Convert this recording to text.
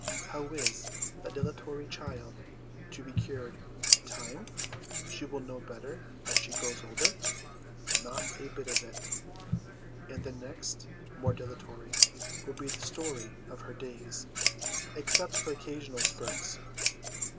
How is the dilatory child to be cured ? Time ? She will know better as she grows older ? Not a bit of it :" And the next, more dilatory " will be the story of her days, except for occasional spurts.